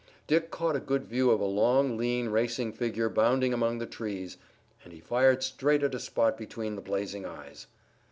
Dick caught a good view of a long, lean, racing figure bounding among the trees, and he fired straight at a spot between the blazing eyes.